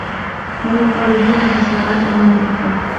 هم يطالبون بساعات عمل أقل.